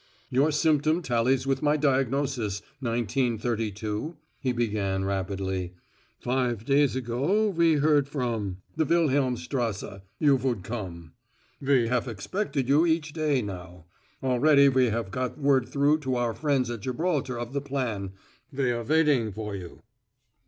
"Your symptom tallies with my diagnosis, Nineteen Thirty two," he began rapidly. "Five days ago we heard from the Wilhelmstrasse you would come. We have expected you each day, now. Already we have got word through to our friends at Gibraltar of the plan; they are waiting for you."